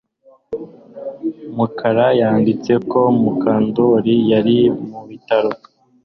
Mukara yanditse ko Mukandoli yari mu bitaro